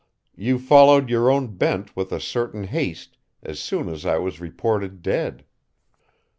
You followed your own bent with a certain haste as soon as I was reported dead.